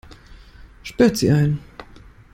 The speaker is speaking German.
Sperrt sie ein!